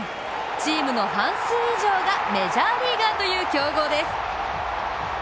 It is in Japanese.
チームの半数以上がメジャーリーガーという強豪です。